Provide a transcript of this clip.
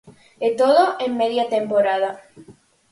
E todo en media temporada.